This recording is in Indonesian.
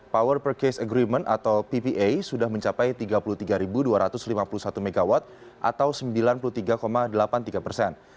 power per case agreement atau ppa sudah mencapai tiga puluh tiga dua ratus lima puluh satu mw atau sembilan puluh tiga delapan puluh tiga persen